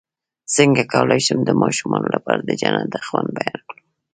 څنګه کولی شم د ماشومانو لپاره د جنت د خوند بیان کړم